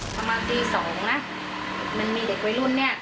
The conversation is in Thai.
ประมาณตี๒นะมันมีเด็กวัยรุ่นเนี่ย